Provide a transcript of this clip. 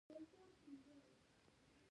په بل غزل کې ټول سېلابونه پوره دي.